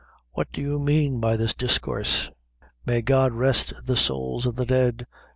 What do you mean by this discoorse?" "May God rest the sowls of the dead!"